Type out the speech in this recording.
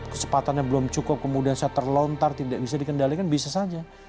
kesempatannya belum cukup kemudian saya terlontar tidak bisa dikendalikan bisa saja